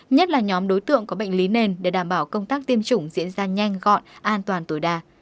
nhất là nhóm đối tượng có bệnh lý nền để đảm bảo công tác tiêm chủng diễn ra nhanh gọn an toàn tối đa